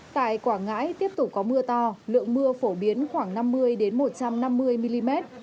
tại quảng ngãi tiếp tục có mưa to lượng mưa phổ biến khoảng năm mươi một trăm năm mươi mm